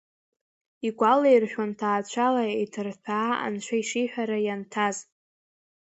Игәалаиршәон ҭаацәала иҭырҭәаа, анцәа ишиҳәара ианҭаз.